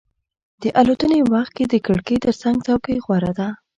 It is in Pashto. د الوتنې وخت کې د کړکۍ ترڅنګ څوکۍ غوره ده.